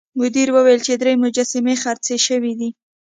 مدیر وویل چې درې مجسمې خرڅې شوې دي.